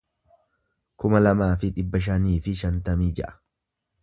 kuma lamaa fi dhibba shanii fi shantamii ja'a